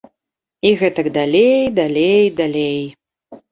І гэтак далей, далей, далей.